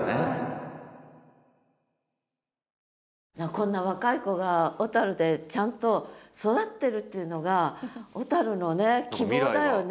こんな若い子が小でちゃんと育ってるっていうのが小の希望だよね。